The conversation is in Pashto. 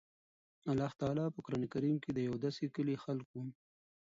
الله تعالی په قران کريم کي د يو داسي کلي خلکو